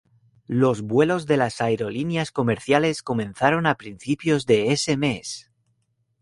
Los vuelos de las aerolíneas comerciales comenzaron a principios de ese mes.